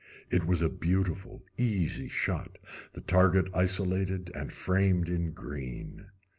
It was a beautiful, easy shot, the target isolated and framed in green.